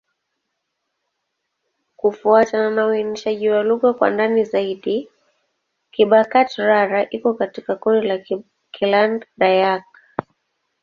Kufuatana na uainishaji wa lugha kwa ndani zaidi, Kibakati'-Rara iko katika kundi la Kiland-Dayak.